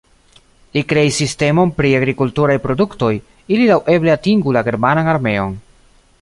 Li kreis sistemon pri agrikulturaj produktoj, ili laŭeble atingu la germanan armeon.